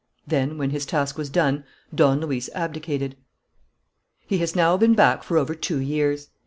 Then, when his task was done, Don Luis abdicated. He has now been back for over two years.